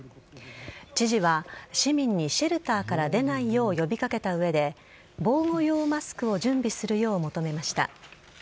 知事は市民にシェルターから出ないよう呼び掛けた上で防護用マスクを準備するよう求めました。